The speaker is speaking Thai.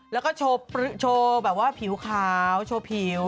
แล้วก็โชว์แบบว่าผิวขาวโชว์ผิว